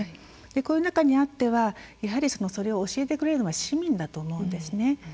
コロナ禍にあってそれを教えてくれるのは市民だと思うんですね。